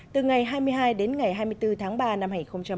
từ ngày hai mươi hai đến ngày hai mươi bốn tháng ba năm hai nghìn một mươi tám